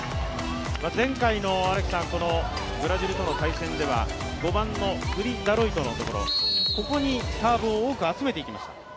前回のブラジルとの対戦では、５番のプリ・ダロイトのところ、ここにサーブを多く集めていきました。